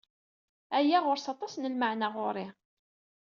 Aya ɣur-s aṭas n lmeɛna ɣur-i.